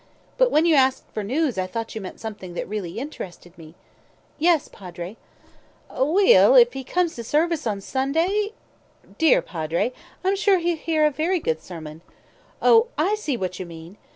But when you asked for news I thought you meant something that really interested me. Yes, Padre?" "Aweel, if he comes to service on Sunday ?" "Dear Padre, I'm sure he'll hear a very good sermon. Oh, I see what you mean!